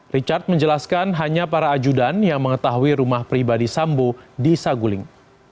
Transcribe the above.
richard menjelaskan hanya para ajudan yang mengetahui rumah pribadi sambo di saguling